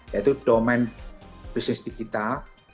yaitu domain bisnis digital